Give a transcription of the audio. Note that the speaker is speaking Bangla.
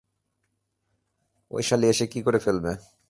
ওই শালী এসে কি করে ফেলবে?